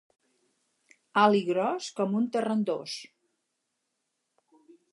Alt i gros com un terrandòs